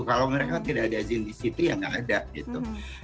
kalau mereka tidak ada izin di situ ya nggak ada gitu